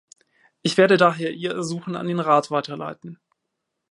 Ich werde daher Ihr Ersuchen an den Rat weiterleiten.